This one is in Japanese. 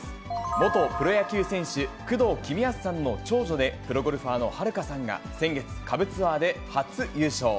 元プロ野球選手、工藤公康さんの長女でプロゴルファーの遥加さんが先月、下部ツアーで初優勝。